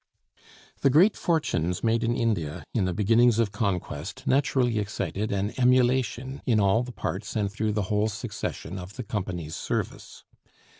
The great fortunes made in India in the beginnings of conquest naturally excited an emulation in all the parts, and through the whole succession, of the company's service.